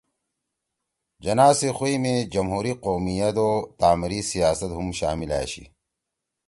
جناح سی خُوئی می جمہوری قومیت او تعمیری سیاست ہُم شامل أشی